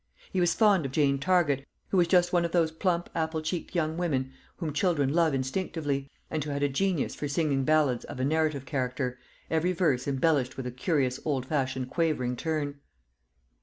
He was fond of Jane Target, who was just one of those plump apple cheeked young women whom children love instinctively, and who had a genius for singing ballads of a narrative character, every verse embellished with a curious old fashioned quavering turn.